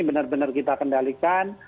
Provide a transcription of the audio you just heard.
benar benar kita kendalikan